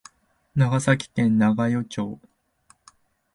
長崎県長与町